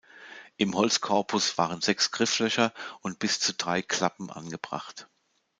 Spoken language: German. Im Holzkorpus waren sechs Grifflöcher und bis zu drei Klappen angebracht.